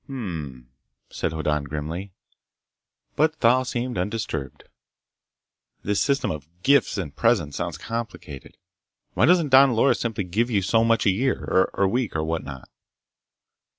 "Hm m m," said Hoddan grimly. But Thal seemed undisturbed. "This system of gifts and presents sounds complicated. Why doesn't Don Loris simply give you so much a year, or week, or whatnot?"